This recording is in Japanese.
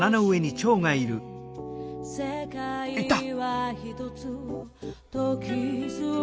いった！